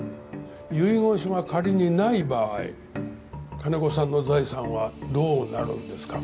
遺言書が仮にない場合金子さんの財産はどうなるんですか？